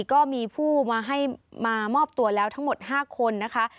ก็มีผู้มาให้มามอบตัวแล้วทั้งหมด๕คนนะคะ